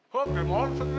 kok kemon sendiri om